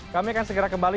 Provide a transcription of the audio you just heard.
kami akan segera kembali